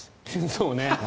そうね。